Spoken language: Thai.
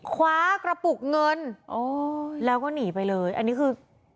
คว้ากระปุกเงินอ๋อแล้วก็หนีไปเลยอันนี้คือ